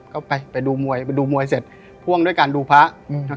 ก็ไปไปดูมวยไปดูมวยเสร็จพ่วงด้วยการดูพระอืม